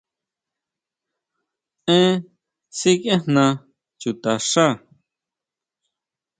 ¿Èn sikiejna jé chuta xá?